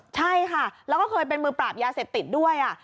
ใช่ค่ะแล้วก็เคยเป็นมือปราบยาเสพติดด้วย